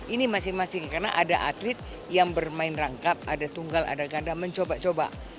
ini masing masing karena ada atlet yang bermain rangkap ada tunggal ada ganda mencoba coba